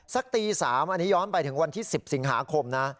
สักตี๓อันนี้ย้อนไปถึงวันที่๑๐สิงหาคมนะ